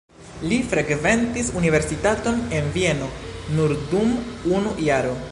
Li frekventis universitaton en Vieno nur dum unu jaro.